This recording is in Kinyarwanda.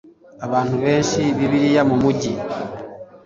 abantu benshi Bibiliya mu mugi